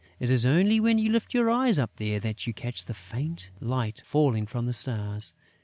It is only when you lift your eyes up there that you catch the faint light falling from the stars.